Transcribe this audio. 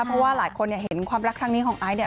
เพราะว่าหลายคนเห็นความรักครั้งนี้ของไอซ์เนี่ย